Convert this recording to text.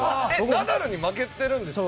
ナダルに負けてるんですか？